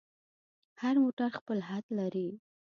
هر موټر خپل حد لري.